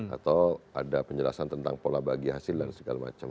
atau ada penjelasan tentang pola bagi hasil dan segala macam